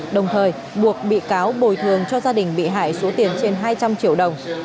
đồng thời buộc bị cáo bồi thường cho gia đình bị hại số tiền trên hai trăm linh triệu đồng